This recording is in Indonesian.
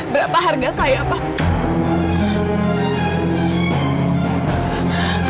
berapa harga saya pak